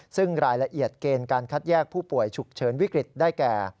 ซึ่งรายละเอียดเกณฑ์การคัดแยกผู้ป่วยฉุกเฉินวิกฤตได้แก่